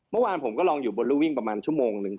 เมื่อวานผมก็ลองอยู่บนรูวิ่งประมาณชั่วโมงนึง